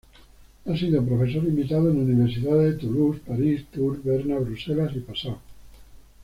Ha sido profesor invitado en universidades de Toulouse, París, Tours, Berna, Bruselas y Passau.